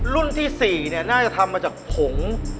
รุ่นที่๔น่าจะทำมาจากผง